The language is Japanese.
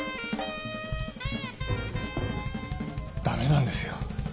駄目なんですよ